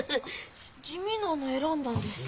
地味なの選んだんですけど。